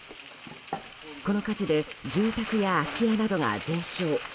この火事で住宅や空き家などが全焼。